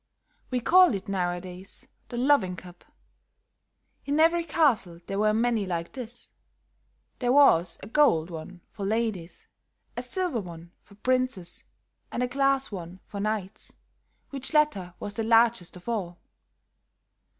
"We call it, nowadays, the loving cup. In every castle there were many like this; there was a gold one for ladies, a silver one for princes and a glass one for knights, which latter was the largest of all.